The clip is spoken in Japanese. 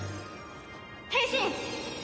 変身！